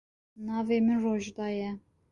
Navê min Rojda ye.